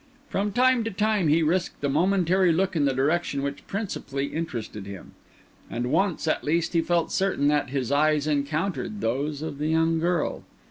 From time to time he risked a momentary look in the direction which principally interested him; and once at least he felt certain that his eyes encountered those of the young girl.